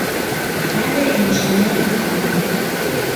Хәҙер инженер-механик.